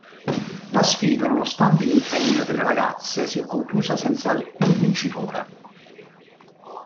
La sfida, nonostante l'impegno delle ragazze, si è conclusa senza alcun vincitore.